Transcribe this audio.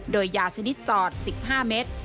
โดยยาชนิดสอด๑๕เมตร